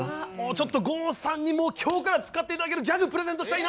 ちょっと郷さんにも今日から使って頂けるギャグプレゼントしたいな！